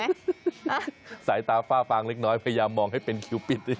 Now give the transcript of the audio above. สายตาฝ้าฟางเล็กน้อยพยายามมองให้เป็นคิวปิด